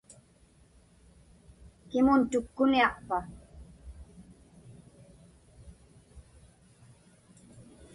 Kimun tukkuniaqpa?